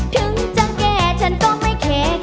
ถึงจะแย่ฉันก็ไม่เค